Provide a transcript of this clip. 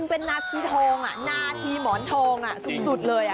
เป็นนาทีทองนาทีหมอนทองสุดเลย